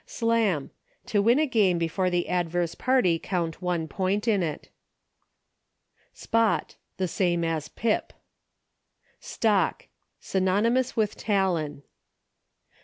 Slam. To win a game before the adverse party count one point in it. 86 EUCHRE. Spot. The same as Pip. Stock. Synonymous with Talon.